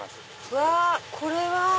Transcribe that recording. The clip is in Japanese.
うわこれは。